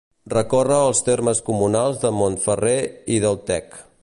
Recorre els termes comunals de Montferrer i del Tec.